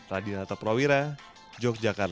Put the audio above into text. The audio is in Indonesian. radinata prawira yogyakarta